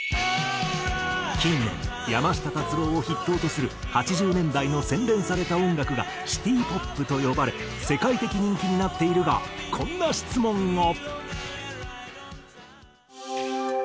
近年山下達郎を筆頭とする８０年代の洗練された音楽がシティポップと呼ばれ世界的人気になっているがこんな質問を。